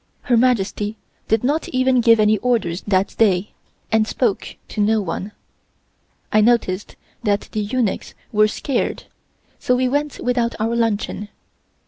Her Majesty did not even give any orders that day, and spoke to no one. I noticed that the eunuchs were scared, so we went without our luncheon.